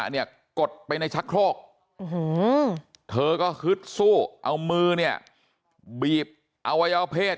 เนี่ยกดไปในชักโครกเธอก็ฮึดสู้เอามือเนี่ยบีบอวัยวเพศ